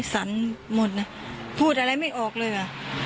สันหมดพูดอะไรไม่ออกเลย